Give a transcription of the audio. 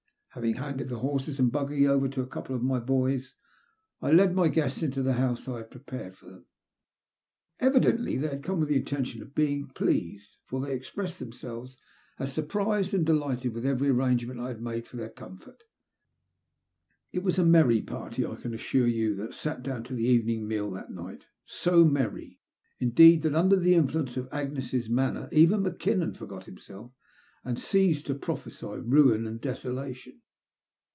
Having handed the horses and buggy over to a couple of my boys, I led my guests into the house I had prepared for them. 388 TIZB LUST OF HATH. Evidently they had come with the intention of being pleased, for they expressed thcmselvos as surprised and delighted with every arrangement I had made for their comfort. It was a merry party, I can assure yoa, that eat down to the evening meal that night — bo merry, indeed, that under the influence of Agnes' manner even Mackinnon forgot himself and ceased to prophesy ruin and desolation.